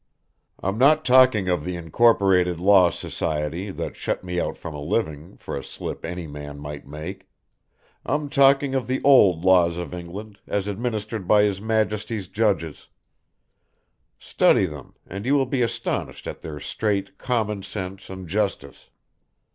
I'm not talking of the Incorporated Law Society that shut me out from a living, for a slip any man might make. I'm talking of the old Laws of England as administered by his Majesty's Judges; study them, and you will be astonished at their straight common sense and justice.